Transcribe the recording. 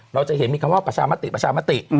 เราจะเห็นมีคำว่าประชามติประชามติ